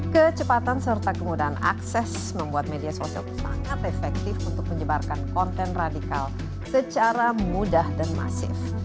kecepatan serta kemudahan akses membuat media sosial sangat efektif untuk menyebarkan konten radikal secara mudah dan masif